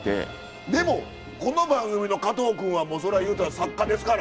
でもこの番組の加藤君はそれは言うたら作家ですから。